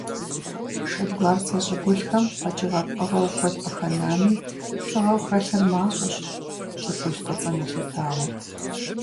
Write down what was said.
Шэдгуарцэ щӀыгулъхэм къэкӀыгъэ пкъыгъуэу куэд къыхэнами, фыгъэу хэлъыр мащӀэщ, щӀыгулъ фӀыцӀэм елъытауэ.